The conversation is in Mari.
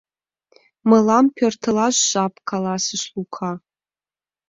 — Мылам пӧртылаш жап, — каласыш Лука.